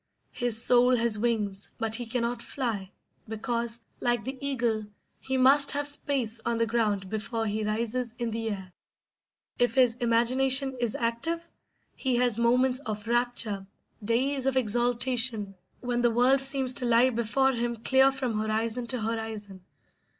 His soul has wings, but he cannot fly, because, like the eagle, he must have space on the ground before he rises in the air. If his imagination is active he has moments of rapture, days of exaltation, when the world seems to lie before him clear from horizon to horizon.